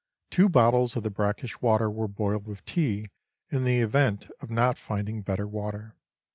Two bottles of the brackish water were boiled with tea, in the event of not finding better water.